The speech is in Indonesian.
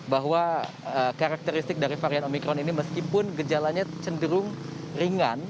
bahwa karakteristik dari varian omikron ini meskipun gejalanya cenderung ringan